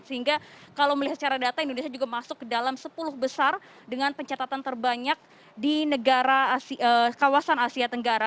sehingga kalau melihat secara data indonesia juga masuk ke dalam sepuluh besar dengan pencatatan terbanyak di negara kawasan asia tenggara